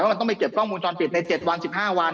มันต้องไปเก็บกล้องมูลจรปิดใน๗วัน๑๕วัน